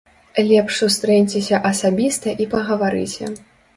Лепш сустрэньцеся асабіста і пагаварыце.